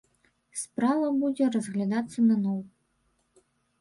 Справа будзе разглядацца наноў.